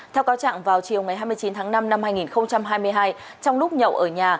theo cáo trạng vào chiều ngày hai mươi chín tháng năm năm hai nghìn hai mươi hai trong lúc nhậu ở nhà